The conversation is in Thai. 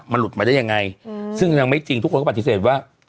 มันหลุดมาได้ยังไงซึ่งยังไม่จริงทุกคนก็ปฏิเสธว่า